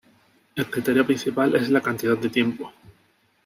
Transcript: El criterio principal es la cantidad de tiempo".